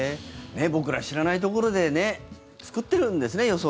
僕ら知らないところでね作ってるんですね。